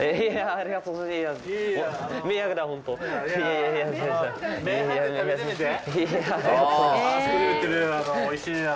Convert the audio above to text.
ありがとうございます。